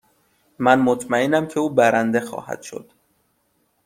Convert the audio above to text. من مطمئنم که او برنده خواهد شد.